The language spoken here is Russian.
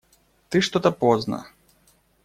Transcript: Ты что-то поздно.